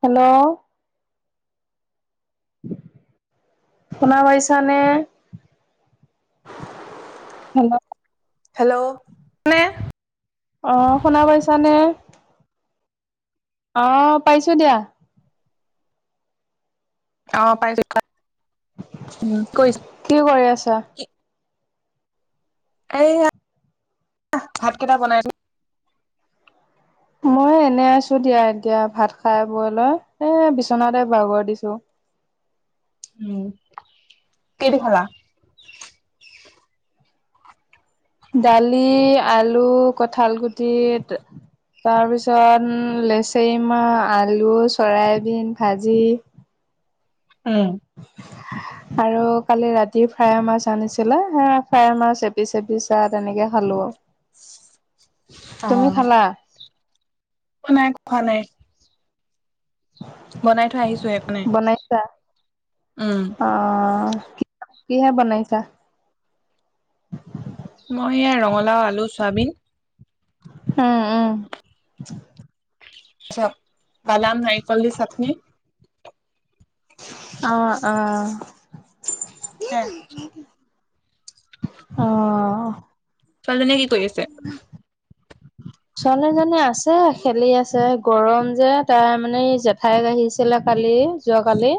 Hello. শুনা পাইছানে? Hello [inaudible] অ', শুনা পাইছানে? অ', পাইছোঁ দিয়া। অ', পাইছোঁ কা, উম, কৰিছ কি কৰি আছা? কি এয়া ভাত কেইটা বনাইছোঁ। মই এনে আছোঁ দিয়া এতিয়া ভাত খাই বৈ লৈ। এ, বিচনাতে বাগৰ দিছোঁ। উম, কিহেদি খালা? দালি, আলু, কঠাল গুটিত তাৰপিছত উম, লেচেৰি মা, আলু, চয়াবিন ভাজি। উম। আৰু কালি ৰাতি ফ্ৰাই মাছ আনিছিলে। সেয়া ফ্ৰাই মাছ এপিচ এপিচা তেনে নেকে খালোঁ। তুমি খালা? অ', নাই খোৱা নাই। বনাই থৈ আহিছোঁহে পনে। বনাইছা? অ', কি কিহে বনাইছা? মই এ, ৰঙালাও, আলু, চৱাবিন। উম, উম। [unintelligible] বাদাম নাৰিকল দি চাটনি। অ', অ'। হে অহ। ছোৱালীজনীয়ে কি কৰি আছে? ছোৱালীজনী আছে খেলি আছে। গৰম যে তাৰে মানে এই জেঠাইক আহিছিল কা [unintelligible] যোৱা কালি।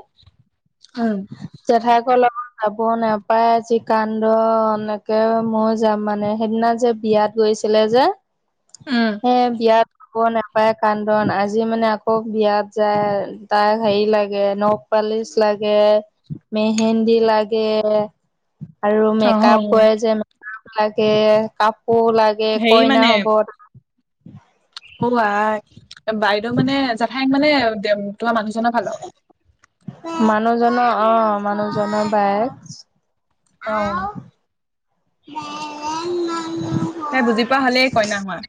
উম জেঠাইক [unintelligible] লগত যাব নাপায় যি কান্দন, একে মই যাম মানে সেইদিনা যে বিয়াত গৈছিলে যে। উম, হে বিয়াত [unintelligible] নাপায় কান্দন আজি মানে আকৌ বিয়াত যায় তাক হেৰি লাগে নখ পা পালিচ লাগে, মেহেন্দী লাগে। আৰু অ মেকআপ কৰে যে মেকআপ লাগে। কাপ কৌ লাগে কইনা হ'ব। উৱাই। এ, বাইদেউ মানে জেঠাইক মানে দেম তোমাৰ মানুহজন' ভাল। মানুহজনৰ অ', মানুহজনৰ বায়েক। অ' [inaudible] তাই বুজি পোৱা হ'লে কইনা হোৱা।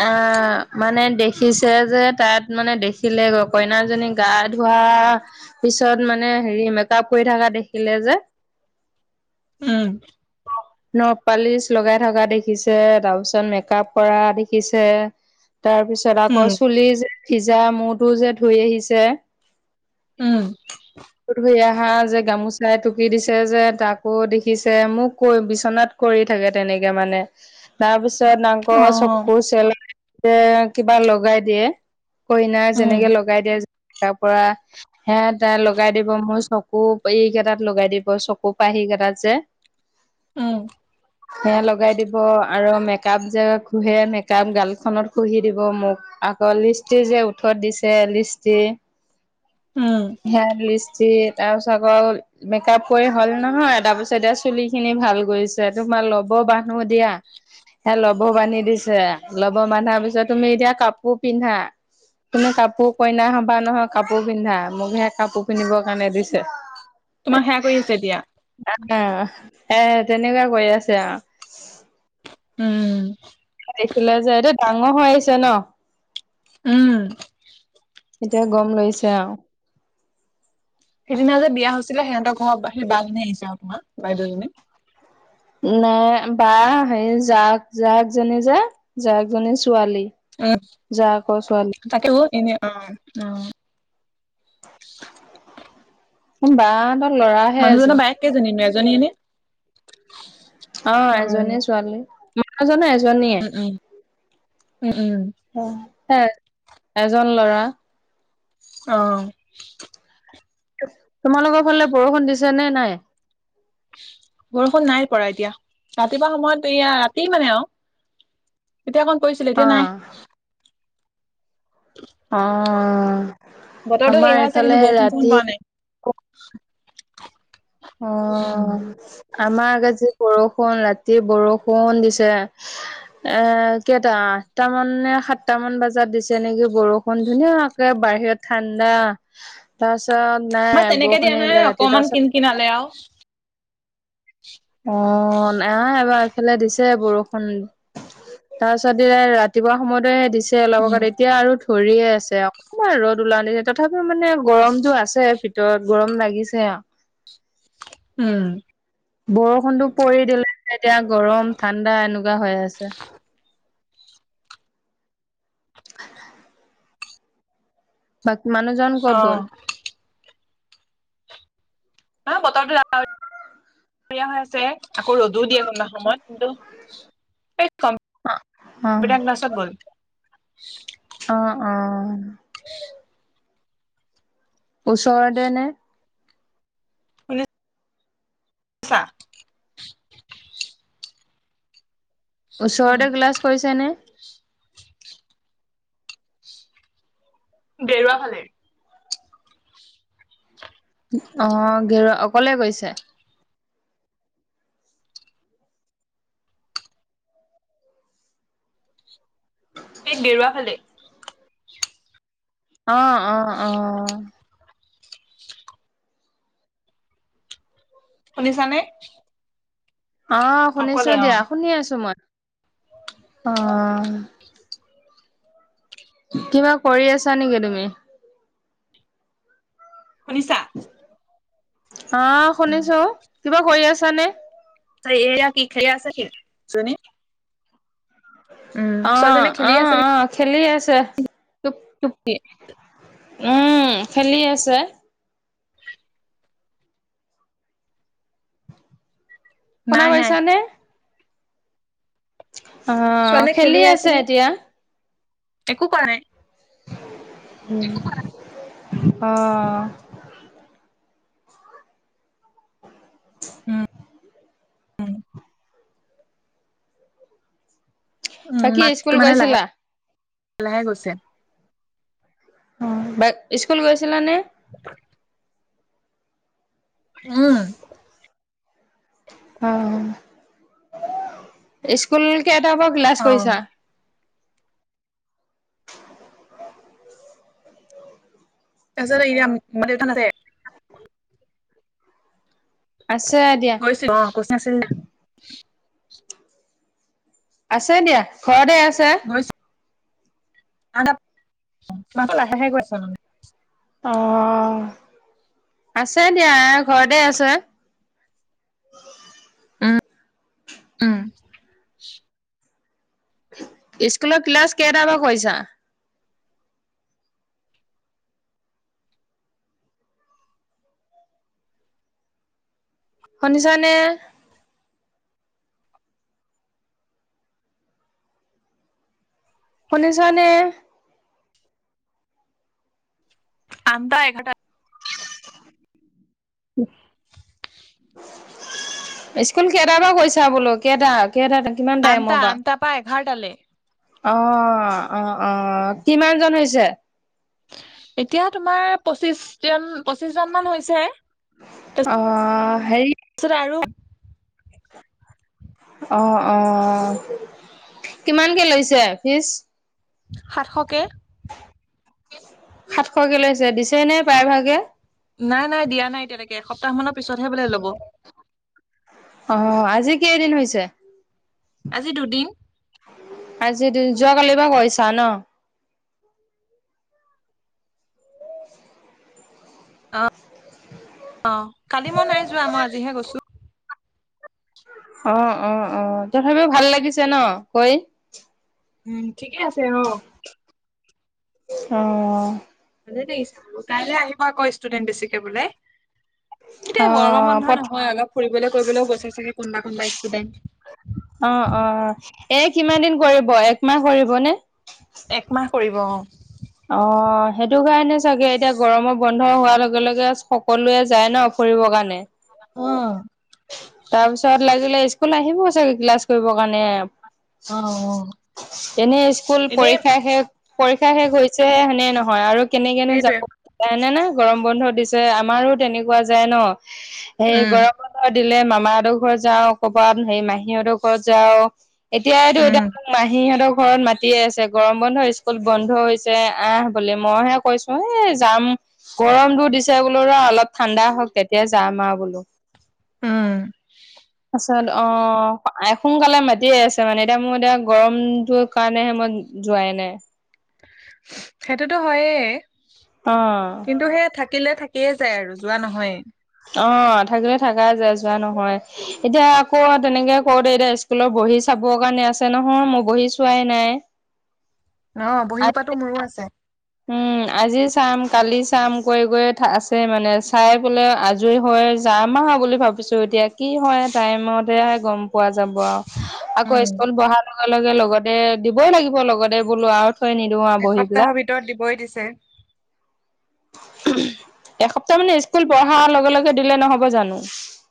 হা অ' মানে দেখিছে যে, তাত মানে দেখিলেগৈ কইনাজনি গা ধোৱা। পিছত মানে হেৰি মেকআপ কৰি থকা দেখিলে যে। উম্। নখপলিচ লগাই থকা দেখিছে, তাৰপিছত মেকআপ কৰা দেখিছে। তাৰপিছত, আকৌ উম চুলি যে ভিজা মূৰটো যে ধুই আহিছে। উম ধুই অহা যে গামোচা তাই টুকি দিছে যে, তাকো দেখিছে মোক বিচনাত কৰি থাকে তেনেকে মানে, তাৰপিছত আকৌ অ চকু চেলাউৰি এ, কিবা লগাই দিয়ে, কইনাই উম যেনেকে লগাই দিয়ে। তাৰপৰা, সেইয়া তাই লগাই দিব মোৰ চকু এইকেইটাত লগাই দিব চকু পাই। সেইকেইটাত যে, উম, সেয়া লগাই দিব। আৰু মেকআপ যে ঘহে, মেকআপ গালখনত ঘহি দিব মোক। আকৌ লিষ্টিক যে উঠ দিছে, লিষ্টি উম, হেয়াৰলিষ্ট যি, তাৰপিছত আকৌ মেকআপ কৰি হ'ল নহয়, তাৰপিছতে এতিয়া চুলি খিনি ভাল কৰিছেঁ। ত তোমাৰ ল'ব বান্ধো দিয়া। সেয়া ল'বৰ বান্ধি দিছে, ল'ব বান্ধাৰ পিছত তুমি এতিয়া কাপোৰ পিন্ধা। তুমি কাপোৰ কইনা হ'বা নহয়, কাপোৰ পিন্ধা। মোক হেয়া কাপোৰ পিন্ধিবৰ কাৰণে দিছেঁ। তোমাক সেয়া কৰি আছে এতিয়া। আহ্, এ তেনেকুৱা কৰি আছে আৰু। উম্। দেখিলে যে এইটো ডাঙৰ হৈ আহিছে ন'। উম্। এতিয়া গ'ম লৈছে আৰু। সেইদিনা যে বিয়া হৈছিলে, সিহঁতৰ ঘৰত সেই বাঘ নে ইছা উপমা বাইদ'জনী। উম্, নাই বা হেৰি জাক জাক জনী যে জাক জনীছ ছোৱালী, উম, জাকৰ ছোৱালী। তাকে অ' এনে অ', ন। সোম বাহতক মানুহজনৰ বায়েক কেইজনীনো এজনীয়ে নে? অ', উম, এজনীয়ে ছোৱালী। মানুহজনো এজনীয়ে। উম্, উম্। হয়, এজন ল'ৰা। অ'। তোমালোকৰ ফালে বৰষুণ দিছে নে নাই? বৰষুণ নাই পৰা এতিয়া। ৰাতিপুৱা সময়ত এয়া ৰাতি মানে আৰু। এতিয়া অকণ পৰিছিলে, অ এতিয়া নাই। অ', বতৰটো হেৰি আমাৰ হৈ আছে কিন্তু এইফালে বৰষুণ চৰষুণ ৰাতি পৰা নাই। উম, অ'। আমাৰ আজি বৰষুণ, ৰাতি বৰষুণ দিছে। এ, কেইটা আঠটা মাননে সাতটা মান বজাত দিছে নেকি বৰষুণ, ধুনীয়াকে বাহিৰত ঠাণ্ডা। পাছ আমাৰ তেনেকে দিয়া নাই, অকমান পাছত কিন কিনালে আৰু। অ', নাই এবাৰ এইফেলে দিছে বৰষুণ। তাৰপাছত দিলে, ৰাতিপুৱা সময়তহে দিছে, অলপ উম, আগত এতিয়া আৰু পৰিয়ে আছে। ‌ৱঅকমান ৰ'দ ওলাল নেকি তথাপিও মানে গৰমটো আছে ভিতৰত গৰম লাগিছে। [unintelligible] উম্। বৰষুণতটো পৰি দিলে, এতিয়া গৰম ঠাণ্ডা এনেকুৱা হৈ আছে। বাকী মানুহজন ক'ত গ'ল? অ', হা, বতৰটো ডাৱৰী ৰিয়া হৈ আছে। আকৌ ৰ'দো দিয়ে কোনোবা সময়ত, কিন্তু এ কম [unintelligible] পিটাৰ ক্লাছত গ'ল। উম উম। ওচৰতে নে? ছা ওচৰতে ক্লাছ কৰিছেনে? গেৰুৱা ফালে। অ', গেৰুৱা, অকলে গৈছে? এই গেৰুৱা ফালেই। অ', অ', অ'। শুনিছানে? অ', অকলে শুনিছোঁ অ দিয়া, শুনি আছোঁ মই। অ'। কিবা কৰি আছা নেকি তুমি? শুনিছা? অ', শুনিছোঁ, কিবা কৰি আছানে? ত' এয়া কি [unintelligible] আছে কি? চুনী। অ', খেলি আছে অ', নেকি? অ'। খেলি আছে। পুপ পুপ, উম, খেলি আছে। শুনা নাই নাই পাইছানে? অ', ছোৱালীজনী খেলি খেলিয়ে আছে নে? এতিয়া। একো কৰা নাই। উম। অ', অ'। উম উম। উম, বাকী মাতটো স্কুল মানে গৈছিলা? লাহে-লাহে গৈছে। অ', স্কুল গৈছিলানে? [inaudible] উম। উম, স্কুল কে কেইটাৰ পৰা ক্লাচ অ কৰিছা? তাৰপিছত এতিয়া [unintelligible] আছে দিয়া। [unintelligible] আছে দিয়া, ঘৰতেই আছে। গৈছিল [unintelligible] অ', আছে দিয়া, ঘৰতেই আছে। অ'। উম-উম। স্কুলৰ ক্লাছ কেইটাৰ পৰা কৰিছা? শুনিছানে? শুনিছানে? আঠটা এঘাৰটা স্কুল কেইটাৰ পৰা গৈছা বোলো কেইটা? [unintelligible] কিমান আঠটা টাইমৰ পৰা? আঠটাৰ এঘাৰটালে অহ, অ', অ', কিমান জন হৈছে? এতিয়া তোমাৰ, পঁচিশ জন, পঁচিশ জনমান হৈছে। অ', হেৰি [unintelligible] অ', অ', কিমানকে লৈছে ফিছ? সাতশকে। সাতশকে লৈছে দিছে নে প্ৰায় ভাগে। নাই নাই দিয়া নাই এতিয়ালৈকে এসপ্তাহ মানৰ পিছতহে বোলে ল'ব। অ', আজি ক এদিন হৈছে। আজি দুদিন। আজি যোৱাকালিৰ পৰা কৰৰিছা ন। অ', অ', কালি মই নাই যোৱা মই আজিহে গৈছোঁ। অ', অ', অ', থাপিও ভাল লাগিছে ন কৈ। উম ঠিকে আছে আহ। অ',। [unintelligible] বাৰু কাইলৈ আহিবা আকৌ ষ্টুডেন্ট বেছিকে বোলে। [inaudible] এতিয়া গৰমৰ বন্ধ পত নহয় অলপ ফুৰিবলৈ কৰিবলৈও গৈচাইছোগে কোনোবা কোনোবা ষ্টুডেণ্ট। অ', অ', এ কিমান দিন কৰিব একমাহ কৰিব নে। একমাহ কৰিব অ',। অ', সেইটো কাৰণে চাগে এতিয়া গৰমৰ বন্ধ হোৱাৰ লগে লগে সকলোৱে যায় ন। কৰিব কাৰণে। অ',। তাৰ পিছত লাগিলে স্কুল আহিব চাগে ক্লাছ কৰিবৰ কাৰণে। অ অ এনেই স্কুল এনে পৰীক্ষা শেষ পৰীক্ষা শেষ হৈছেহে সেনে নহ হয় আৰু কেনেকনো সেইটোৱে যাবনে না গৰম বন্ধ দিছে আমাৰো তেনেকুৱা যায় ন। সেই উম গৰম দিলে মামাহঁতৰ ঘৰত যাওঁ কৰ'ৰবাত হেৰি মাহীঁতৰ ঘৰত যাওঁ। এতিয়ো এতিয়া উম ম মাহী সহঁতক ঘৰত মাতিয়ে আছে গৰম বন্ধ স্কুল বন্ধ হৈছে আহ বুলি মইহে কৈছোঁ এই যাম গৰমটোো দিছে বোলো ৰ অলপ ঠাণ্ডা হওক তেতিয়া যাম আৰু বোলো উম তাৰছত অ সোনকালে মাতি আছে মানে এতিয়া মোৰ এতিয়া গৰমটোৰ কাৰণেহে মই যোৱাই নাই সেইটোতো হয়ে অ কিন্তু সে থাকিলে থাক সয়ে যায় আৰু যোৱা নহয় অ থাকিলে থাকাই য যোৱা নহয় এতিয়া আকৌ তেনেকে কওঁতে এতিয়া স্কুলত বহি চা যাব কাৰণে আছে নহয় মই বহি চোৱাই নাই অ বহীসোপাতো মোৰো আছে উম আজি চাম কালি চাম কৈ গৈ আছে মানে চাই পোলে আজৰি হৈ যাম আৰু বুলি ভাবিছো এতিয়া কি হয় টাইমতে গম পোৱা যায় য আৰু আকৌ উম, স্কুল বঢ়াৰ লগে লগে লগতে দিবই লাগিব লগতে বোলো আৰু থৈ নিদিওঁ আৰু বহি পেলাক ছয় এসপ্তাহ মানে স্কুল পঢ়াৰ লগে লগে দিলে নহব জানো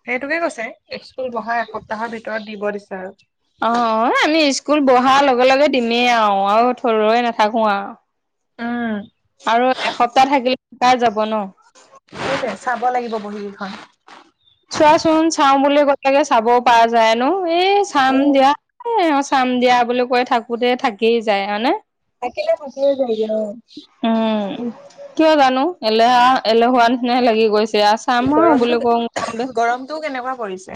সেইটোকে কৈছে স্কুল বহা এসপ্তাহৰ ভিতৰত দিব দিছে আৰু অ আমি স্কুল বঢ়াৰ লগে লগে দিমেই আৰু আৰু থৰুৈ নাথাকো আৰু অ আৰু এসপ্তাহ থাকিলেকাৰাই যাব ন হয় চোৱাচোন চাও বুলি গ'লেগে চাব পৰা যায়নো এই চাম উম, দিয়া চাম দিয়া বুলি কৈ থাকোতে থাকি যায় হয় নে তাকিল ভাক যাইগ ন উম কিয় জানো এলেহা এলেহোৱা নিচিনা লাগি গৈছে চ আছাম গৰমটো বোলে কওঁ কওঁতে গৰমটোও কেনেকুৱা পৰিছে।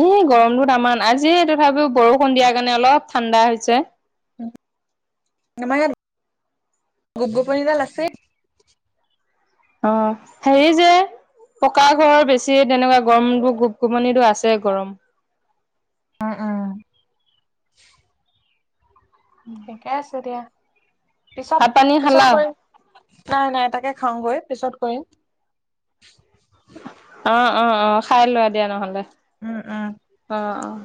এ গৰমটো তামান আজি তথাপিও বৰষুণ দিয়াৰ কাৰণে অলপ ঠাণ্ডা হৈছে আমাৰ ইয়াত গোপ গোপনডাল আছে অ সেৰি যে পকা ঘৰৰ বেছি তেনেকুৱা গৰমবোৰ গোপ গোপনিটো আছে গৰম উম উম সেইকেছেৰিয়াা পিছত ভাত পানী পিছত খালা? কৰিৈ নাই নাই তাকে খাওঁগৈ পিছত কৰিম অ অ অ খাই লোৱা দিয়া নহ'লে উম উম অ', অ'।